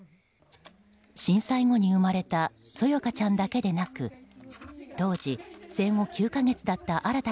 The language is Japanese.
震災後に生まれたそよかちゃんだけでなく当時、生後９か月だった新太